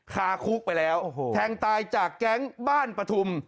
คาคุกไปแล้วแทงตายจากแก๊งบ้านปฐุม